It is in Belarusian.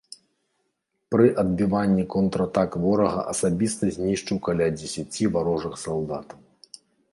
Пры адбіванні контратак ворага асабіста знішчыў каля дзесяці варожых салдатаў.